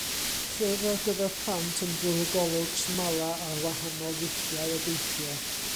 Llyfr ar gyfer plant yn bwrw golwg smala ar wahanol ddulliau o deithio.